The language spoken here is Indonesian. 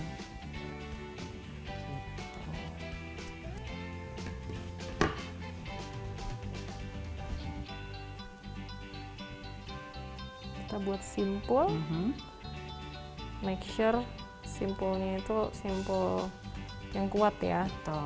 kita buat simpul make sure simpelnya itu simpul yang kuat ya